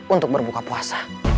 untuk berbuka puasa